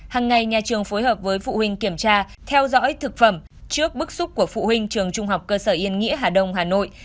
hằng ngày nhà trường phối hợp với phụ huynh kiểm tra theo dõi thực phẩm trước bức xúc của phụ huynh trường trung học cơ sở yên nghĩa hà đông hà nội